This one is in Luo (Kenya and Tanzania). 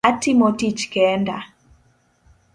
Atimo tich kenda